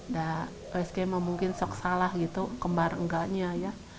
da osg mah mungkin sok salah gitu kembar enggaknya ya